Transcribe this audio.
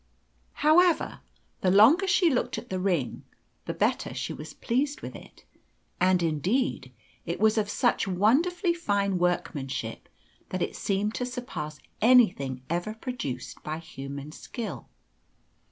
However, the longer she looked at the ring the better she was pleased with it; and, indeed, it was of such wonderfully fine workmanship that it seemed to surpass anything ever produced by human skill.